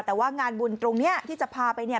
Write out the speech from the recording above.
แต่ว่างานบุญตรงนี้ที่จะพาไป